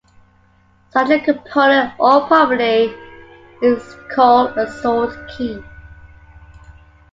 Such a component or property is called a sort key.